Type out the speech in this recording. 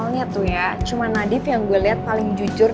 karena cuma nadif yang saya lihat yang paling jujur